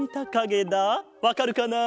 わかるかな？